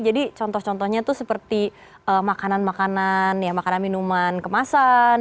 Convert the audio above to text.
jadi contoh contohnya tuh seperti makanan makanan ya makanan minuman kemasan